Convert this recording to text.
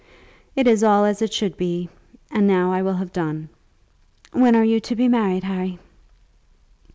It is all as it should be, and now I will have done. When are you to be married, Harry?"